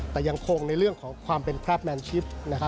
แต่ยังคงในเรื่องของความเป็นคราบแมนชิป